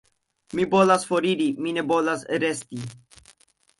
Mi volas foriri, mi ne volas resti.